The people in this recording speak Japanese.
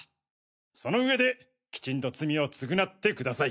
その上できちんと罪を償ってください。